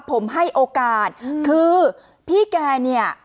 ผมให้โอกาสคือพี่แกเนี่ย